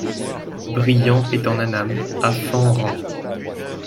Briand est en Annam, à Phan-Rang.